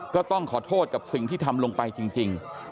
ก็ต้องขอโทษกับสิ่งที่ทำลงไปจริง